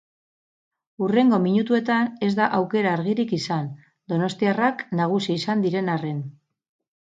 Hurrengo minutuetan ez da aukera argirik izan, donostiarrak nagusi izan diren arren.